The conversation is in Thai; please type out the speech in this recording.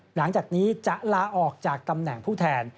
หลังจากนี้จะลาออกจากตำแหน่งผู้แทน